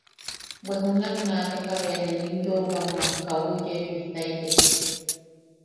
Bwe junak naateka bea ne nim yoʼowammak kawiu yebijtaitek.